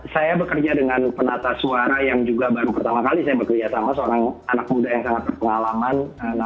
saya bekerja dengan penata suara yang juga baru pertama kali saya bekerja sama seorang anak muda yang sangat berpengalaman